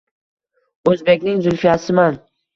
«O‘zbekning Zulfiyasiman»